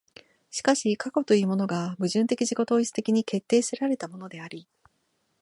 しかし過去というものが矛盾的自己同一的に決定せられたものであり、